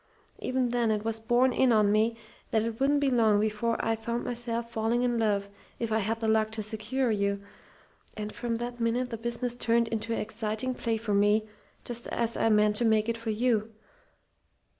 Even then, it was borne in on me that it wouldn't be long before I found myself falling in love, if I had the luck to secure you. And from that minute the business turned into an exciting play for me, just as I meant to make it for you.